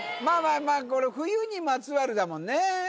まあまあこれ冬にまつわるだもんね